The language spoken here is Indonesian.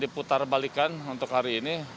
diputar balikan untuk hari ini